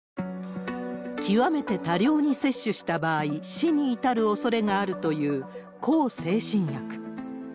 極めて多量に摂取した場合、死に至るおそれがあるという向精神薬。